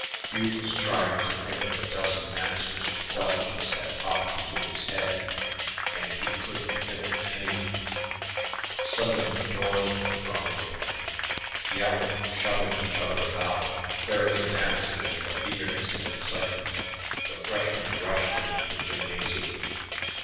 Hugh was trying to think of a dozen answers to questions that popped into his head, and he couldn't think of anything. Suddenly the doors were thrown open. Yelling, shoving each other about, fairly dancing in their eagerness and excitement, the freshmen rushed into the gymnasium.